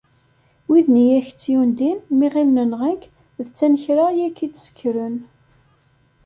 Wid-nni i ak-tt-yundin, mi ɣilen nɣan-k, d tanekra ay ak-id-ssekren.